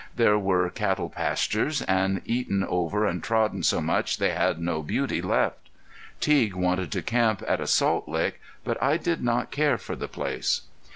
There were cattle pastures, and eaten over and trodden so much they had no beauty left. Teague wanted to camp at a salt lick, but I did not care for the place.